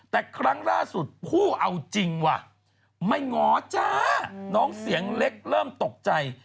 แต่ครั้งล่าสุดผู้เอาจริงว่ะไม่ง้อจ้าน้องเสียงเล็กเริ่มตกใจ